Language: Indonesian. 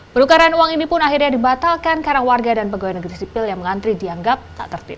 penukaran uang ini pun akhirnya dibatalkan karena warga dan pegawai negeri sipil yang mengantri dianggap tak tertib